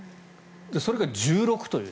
それが１６という。